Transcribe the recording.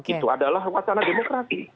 itu adalah wacana demokrasi